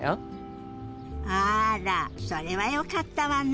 あらそれはよかったわね。